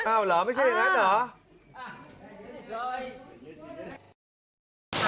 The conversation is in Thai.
อ้าวเหรอไม่ใช่นั้นเหรอ